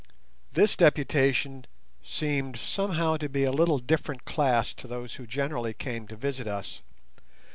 This deputation seemed somehow to be a different class to those who generally came to visit us.